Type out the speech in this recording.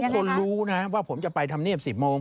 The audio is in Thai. ทุกคนรู้นะฮะว่าผมจะไปทำเนียบสิบโมง